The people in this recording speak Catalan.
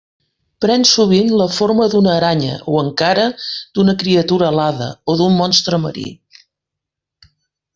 Pren sovint la forma d'una aranya, o encara d'una criatura alada o d'un monstre marí.